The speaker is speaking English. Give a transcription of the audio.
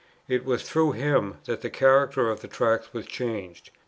It was through him that the character of the Tracts was changed.